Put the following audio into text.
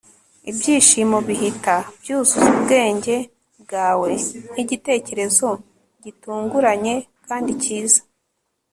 Ibyishimo bihita byuzuza ubwenge bwawe nkigitekerezo gitunguranye kandi cyiza